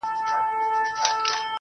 د هغه څه په اړه بحث کیږي